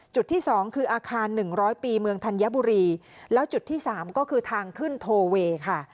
จุดที่สองคืออาคารหนึ่งร้อยปีเมืองธัญบุรีแล้วจุดที่สามก็คือทางขึ้นโทเวค่ะ